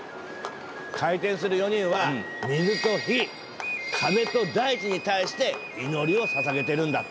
回転する４人は水と火風と大地に対して祈りをささげてるんだって。